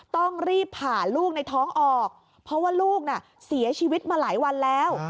ต้องรีบผ่าลูกในท้องออกเพราะว่าลูกน่ะเสียชีวิตมาหลายวันแล้ว